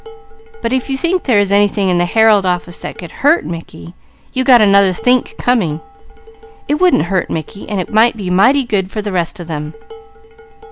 But if you think there is anything in the Herald office that could hurt Mickey, you got another think coming. It wouldn't hurt Mickey; but it would be mighty good for the rest of them.